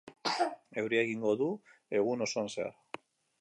Euria egingo du egun osoan zehar.